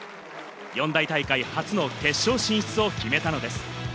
四大大会初の決勝進出を決めたのです。